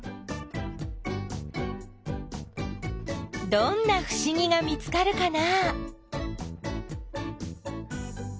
どんなふしぎが見つかるかな？